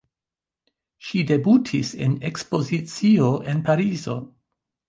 Ŝi debutis en ekspozicio en Parizo.